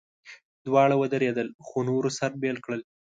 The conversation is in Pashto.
دواړه ودرېدل، خو نورو سره بېل کړل.